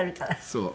そう。